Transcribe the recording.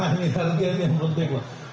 wah ini harga yang penting